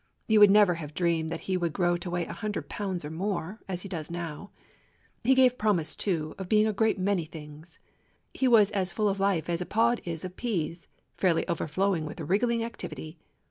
You would never have dreamed that he would grow to weigh a hun dred pounds or more, as he does now. He gave promise, too, of being a great many things. He was as full of life as a pod is of peas, fairly overflowing with wriggling activity.